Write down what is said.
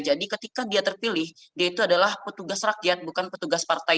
jadi ketika dia terpilih dia itu adalah petugas rakyat bukan petugas partai